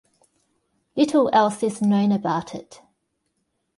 Little else is known about it.